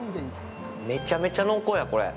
めちゃめちゃ濃厚や、これ。